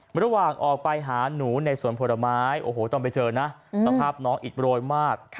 มันต้องเจอนะสภาพน้องอิดโบรยมาก